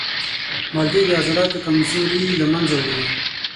مالټې د عضلاتو کمزوري له منځه وړي.